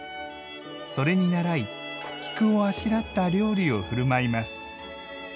それにならい、菊をあしらった料理をふるまいます。